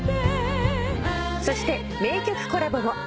そして名曲コラボも。